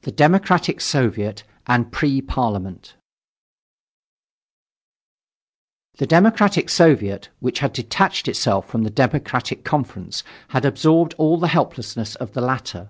THE DEMOCRATIC SOVIET AND "PRE PARLIAMENT" The Democratic Soviet which had detached itself from the Democratic Conference had absorbed all the helplessness of the latter.